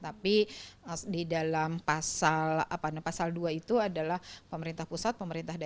tapi di dalam pasal apa pasal dua itu adalah pemerintah pusat pemerintah desa dan pemerintah negara